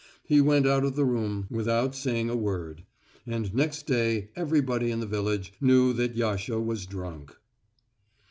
He went out of the room without saying a word, and next day everybody in the village knew that Yasha was drunk.